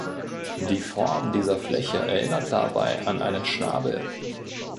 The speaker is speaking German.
Die Form dieser Fläche erinnert dabei an einen Schnabel.